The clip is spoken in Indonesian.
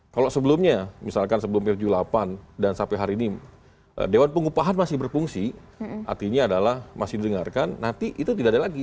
kalau sebelumnya misalkan sebelum tujuh puluh delapan dan sampai hari ini dewan pengupahan masih berfungsi artinya adalah masih didengarkan nanti itu tidak ada lagi